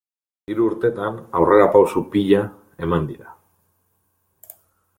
Hiru urtetan aurrerapauso pila eman dira.